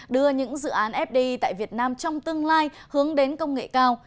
đưa những dự án fdi tại việt nam trong tương lai hướng đến công nghệ cao